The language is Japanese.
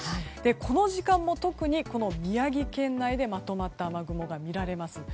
この時間も特に宮城県内でまとまった雨雲が見られます。